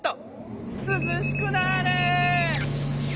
すずしくなれ！